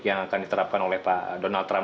yang akan diterapkan oleh pak donald trump